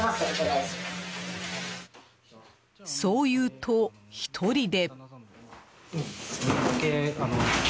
そう言うと、１人で。